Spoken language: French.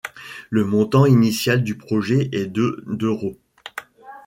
Le montant initial du projet est de d'euros.